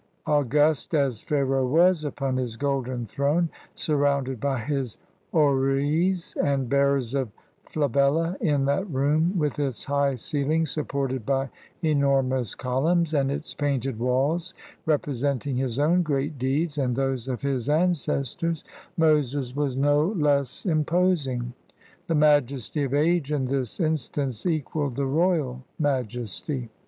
August as Pharaoh was upon his golden throne, surrounded by his oeris and bearers of flabella, in that room with its high ceiling supported by enormous columns, and its painted walls representing his own great deeds and those of his ancestors, Moses was no less imposing : the majesty of age in this instance equaled the royal majesty.